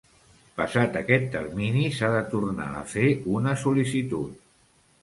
Passat aquest termini, s'ha de tornar a fer una sol·licitud.